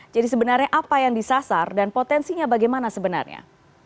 jadi sebenarnya apa yang disasar dan potensinya bagaimana sebenarnya